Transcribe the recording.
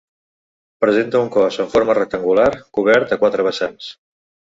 Presenta un cos amb forma rectangular cobert a quatre vessants.